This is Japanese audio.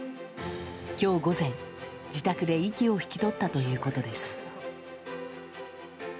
今日午前、自宅で息を引き取ったということです。